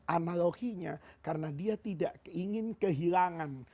analoginya karena dia tidak ingin kehilangan